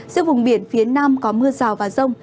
giữa vùng biển phía nam có mưa rào và rông